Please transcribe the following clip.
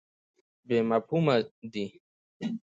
بې مفهومه دی.